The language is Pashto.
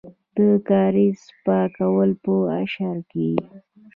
د کاریز پاکول په اشر کیږي.